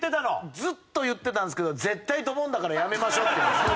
ずっと言ってたんですけど絶対ドボンだからやめましょうって。